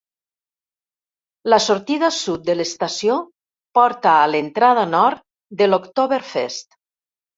La sortida sud de l'estació porta a l'entrada nord de l'Oktoberfest.